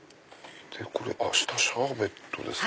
これ下シャーベットですか。